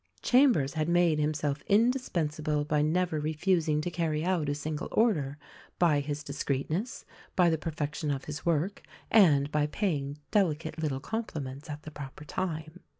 Chambers had made himself indispensable by never refusing to carry out a single order, by his discreet ness, by the perfection of his work, and by paying delicate little compliments at the proper time.